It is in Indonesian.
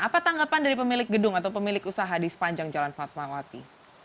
apa tanggapan dari pemilik gedung atau pemilik usaha di sepanjang jalan fatmawati